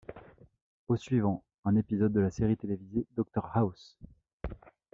Au suivant…, un épisode de la série télévisée Dr House.